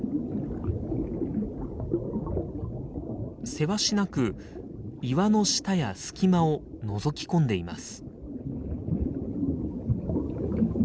せわしなく岩の下や隙間をのぞき込んでいます。